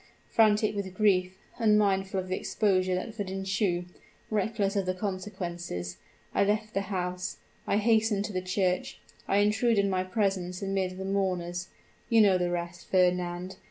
Frantic with grief unmindful of the exposure that would ensue reckless of the consequences, I left the house I hastened to the church I intruded my presence amidst the mourners. You know the rest, Fernand.